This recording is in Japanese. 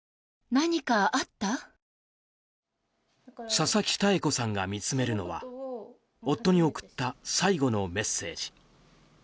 佐々木多恵子さんが見つめるのは夫に送った最後のメッセージ。